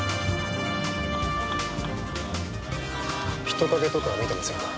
人影とか見てませんか？